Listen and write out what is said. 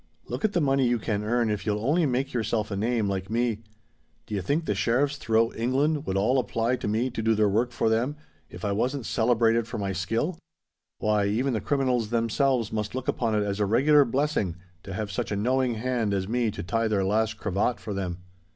Look at the money you can earn if you'll only make yourself a name like me. D'ye think the sheriffs throughout England would all apply to me to do their work for them, if I wasn't celebrated for my skill? Why—even the criminals themselves must look upon it as a regular blessing to have such a knowing hand as me to tie their last cravat for them.